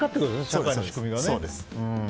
社会の仕組みが。